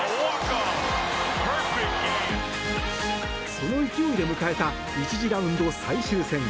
その勢いで迎えた１次ラウンド最終戦。